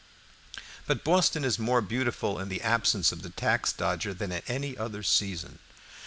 But Boston is more beautiful in the absence of the "tax dodger" than at any other season.